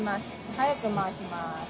速く回します。